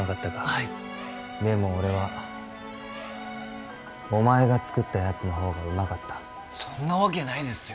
はいでも俺はお前が作ったやつのほうがうまかったそんなわけないですよ